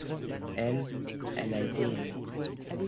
elle, elle a été aimée.